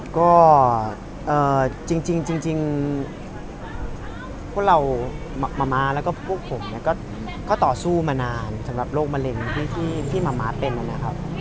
ก็จริงพวกเรามะม้าแล้วก็พวกผมเนี่ยก็ต่อสู้มานานสำหรับโรคมะเร็งที่มะม้าเป็นนะครับ